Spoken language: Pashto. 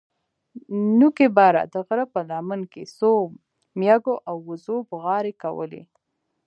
نوكي بره د غره په لمن کښې څو مېږو او وزو بوغارې کولې.